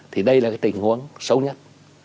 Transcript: thì đây là cái tình huống xấu nhất